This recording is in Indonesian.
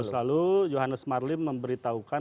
empat agustus lalu johannes marlim memberitahukan